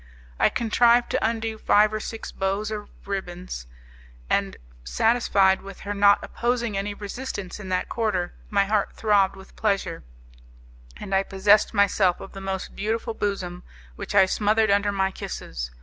I contrived to undo five or six bows of ribbons, and satisfied, with her not opposing any resistance in that quarter my heart throbbed with pleasure, and I possessed myself of the most beautiful bosom, which I smothered under my kisses.